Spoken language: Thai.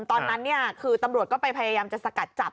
ตอนนั้นคือตำรวจก็ไปพยายามจะสกัดจับ